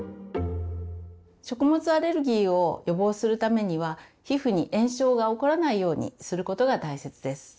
食物アレルギーを予防するためには皮膚に炎症が起こらないようにすることが大切です。